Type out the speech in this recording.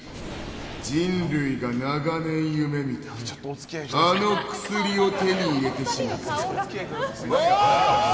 人類が長年夢見たあの薬を手に入れてしまった。